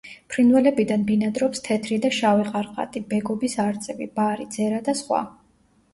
ფრინველებიდან ბინადრობს თეთრი და შავი ყარყატი, ბეგობის არწივი, ბარი, ძერა და სხვა.